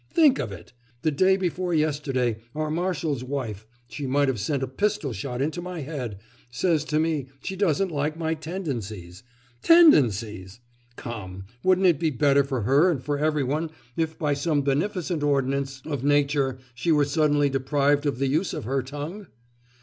Think of it! the day before yesterday, our marshal's wife she might have sent a pistol shot into my head! says to me she doesn't like my tendencies! Tendencies! Come, wouldn't it be better for her and for every one if by some beneficent ordinance of nature she were suddenly deprived of the use of her tongue?